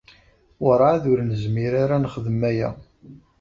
Werɛad ur nezmir ara ad nexdem aya.